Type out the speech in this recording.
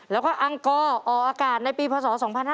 แล้วก็อังกรออกอากาศในปีพศ๒๕๕๙